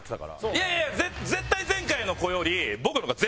いやいや絶対前回の子より僕の方が絶対得意なので。